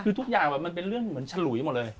คือทุกอย่างมันเป็นเรื่องเหมือนฉลุยหมดเลย